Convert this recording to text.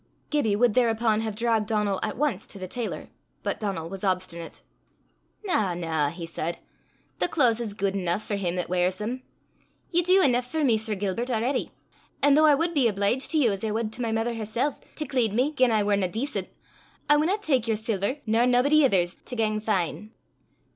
Gibbie would thereupon have dragged Donal at once to the tailor; but Donal was obstinate. "Na, na," he said; "the claes is guid eneuch for him 'at weirs them. Ye dee eneuch for me, Sir Gilbert, a'ready; an' though I wad be obleeged to you as I wad to my mither hersel', to cleed me gien I warna dacent, I winna tak your siller nor naebody ither's to gang fine.